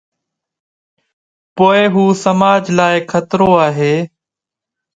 پوءِ هو سماج لاءِ خطرو آهي.